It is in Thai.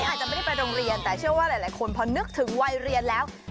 อาจจะไม่ได้ไปโรงเรียนแต่เชื่อว่าหลายคนพอนึกถึงวัยเรียนแล้ว